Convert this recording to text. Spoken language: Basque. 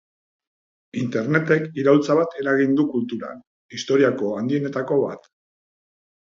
Internetek iraultza bat eragin du kulturan, historiako handienetako bat.